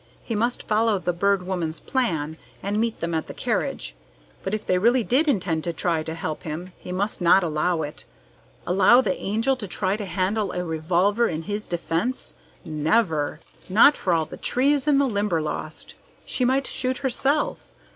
He must follow the Bird Woman's plan and meet them at the carriage, but if they really did intend to try to help him, he must not allow it. Allow the Angel to try to handle a revolver in his defence? Never! Not for all the trees in the Limberlost! She might shoot herself.